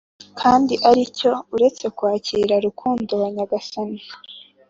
kindi aricyo uretse kwakira rukundo wa nyagasan